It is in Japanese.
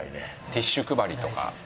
ティッシュ配りとか。